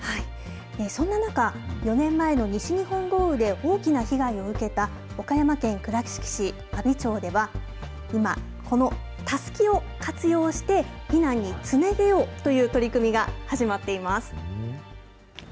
そんな中、４年前の西日本豪雨で大きな被害を受けた岡山県倉敷市真備町では、今、このたすきを活用して、避難につなげようという取り組みが始まっています。